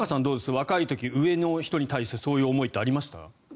若い時、上の人たちにそういう思いってありました？